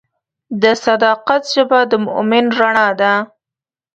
د صداقت ژبه د مؤمن رڼا ده.